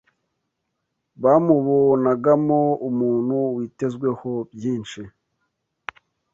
Bamubonagamo umuntu witezweho byinshi